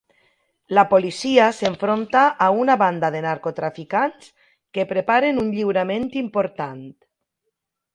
La policia s'enfronta a una banda de narcotraficants que preparen un lliurament important.